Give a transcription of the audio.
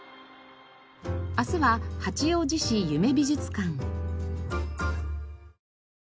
明日は八王子市夢美術館。